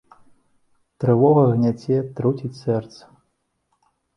Трывога гняце, труціць сэрца.